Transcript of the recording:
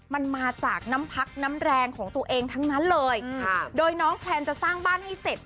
มันมาจากน้ำพักน้ำแรงของตัวเองทั้งนั้นเลยค่ะโดยน้องแพลนจะสร้างบ้านให้เสร็จ